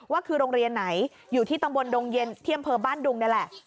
ว่าคือโรงเรียนไหนอยู่ที่ตำบลดงเย็นที่อำเภอบ้านดุงนี่แหละ